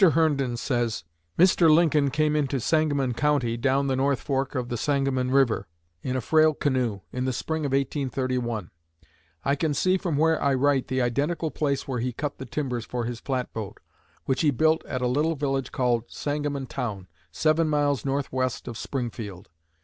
Herndon says: "Mr. Lincoln came into Sangamon County down the North Fork of the Sangamon river, in a frail canoe, in the spring of 1831. I can see from where I write the identical place where he cut the timbers for his flatboat, which he built at a little village called Sangamon Town, seven miles northwest of Springfield.